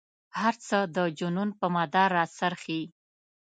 هر څه د جنون په مدار را څرخي.